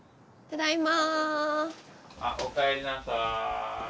ただいま。